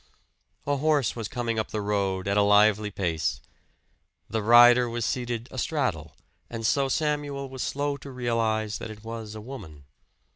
A horse was coming up the road at a lively pace. The rider was seated a straddle, and so Samuel was slow to realize that it was a woman.